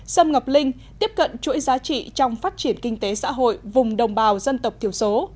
xâm ngọc linh tiếp cận chuỗi giá trị trong phát triển kinh tế xã hội vùng đồng bào dân tộc thiểu số